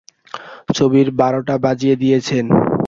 ছবির বারোটা বাজিয়ে দিয়েছেন।